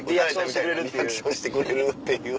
リアクションしてくれるっていう。